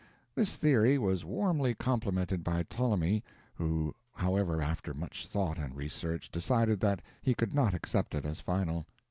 This theory was warmly complimented by Ptolemy, who, however, after much thought and research, decided that he could not accept it as final.